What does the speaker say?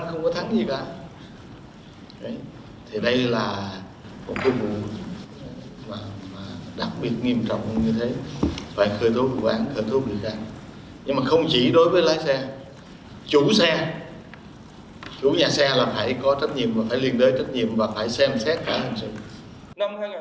không chỉ đối với lái xe chủ xe chủ nhà xe là phải có trách nhiệm và phải liên đối trách nhiệm và phải xem xét cả hành trình